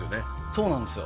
そうなんですよ。